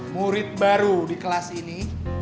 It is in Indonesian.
murid baru di kelas ini